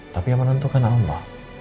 tapi yang menentukan allah